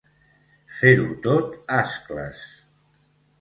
Fer-ho tot ascles.